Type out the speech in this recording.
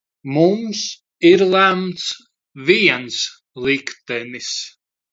Mums ir lemts viens liktenis.